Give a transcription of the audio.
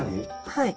はい。